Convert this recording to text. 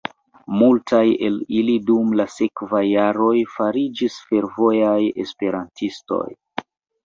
Multaj el ili dum la sekvaj jaroj fariĝis fervoraj esperantistoj.